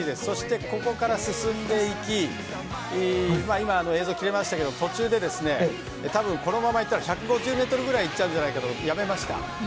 そして、ここから進んでいき今、映像が切れましたが途中で多分このままいったら１５０ｍ近くいっちゃうんじゃないかとやめました。